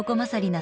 な